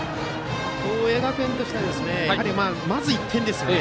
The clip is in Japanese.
共栄学園としてはまず１点ですよね。